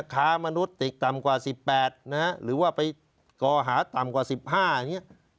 ขามนุษย์ติดต่ำกว่า๑๘หรือว่าไปก่อหาต่ำกว่า๑๕